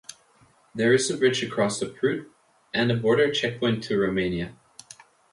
There is a bridge across the Prut and a border checkpoint to Romania.